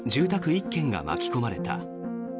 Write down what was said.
１軒が巻き込まれた。